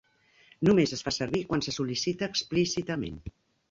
Només es fa servir quan se sol·licita explícitament.